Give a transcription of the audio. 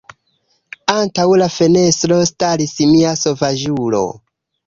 Antaŭ la fenestro staris mia sovaĝulo.